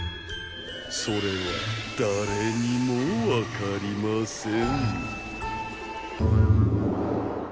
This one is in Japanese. それは誰にもわかりません